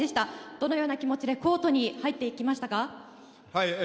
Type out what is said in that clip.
どのような気持ちでコートに入っていきましたか？